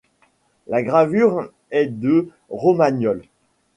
La gravure est de Romagnol.